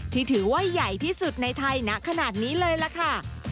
ที่ถือว่าใหญ่ที่สุดในไทยณขนาดนี้เลยล่ะค่ะ